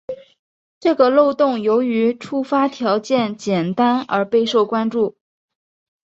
这个漏洞由于触发条件简单而备受关注。